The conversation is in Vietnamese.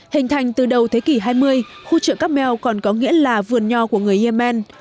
hình thành từ đầu thế kỷ hai mươi khu chợ cáp mel còn có nghĩa là vườn nho của người yemen